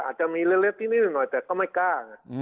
อาจจะมีเล็กนิดหน่อยแต่ก็ไม่กล้าไง